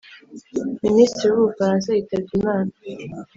Minisitiri wu Bufaransa yitabye imana